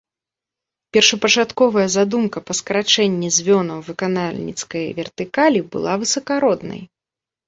Першапачатковая задумка па скарачэнні звёнаў выканальніцкай вертыкалі была высакароднай.